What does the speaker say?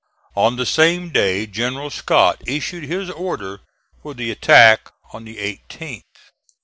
On the same day General Scott issued his order for the attack on the 18th.